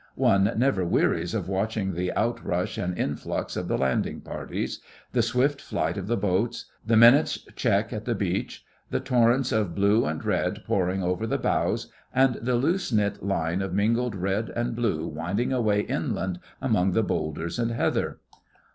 One never wearies of watching the outrush and influx of the landing parties; the swift flight of the boats; the minute's check at the beach; the torrents of blue and red pouring over the bows; and the loose knit line of mingled red and blue winding away inland among the boulders and heather.